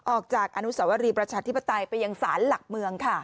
ออกจากอนุสวรีประชาธิปไตยไปยังศาลหลักเมืองค่ะ